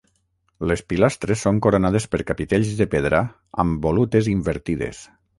Les pilastres són coronades per capitells de pedra amb volutes invertides.